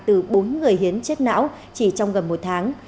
từ bốn người hiến chết não chỉ trong gần một tháng